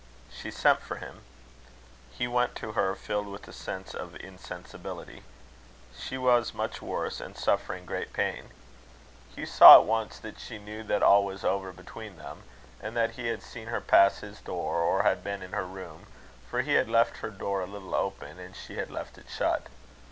She sent for him. He went to her filled with a sense of insensibility. She was much worse, and suffering great pain. Hugh saw at once that she knew that all was over between them, and that he had seen her pass his door, or had been in her room, for he had left her door a little open, and she had left it shut.